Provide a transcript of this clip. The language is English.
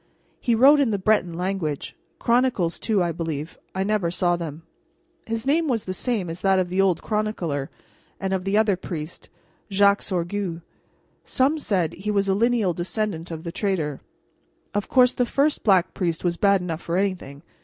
He wrote in the Breton language. Chronicles, too, I believe. I never saw them. His name was the same as that of the old chronicler, and of the other priest, Jacques Sorgue. Some said he was a lineal descendant of the traitor. Of course the first Black Priest was bad enough for anything.